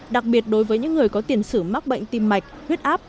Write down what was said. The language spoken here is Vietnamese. đặc biệt đối với những người có tiền sử mắc bệnh tim mạch huyết áp